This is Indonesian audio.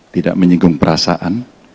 tidak menyinggung perasaan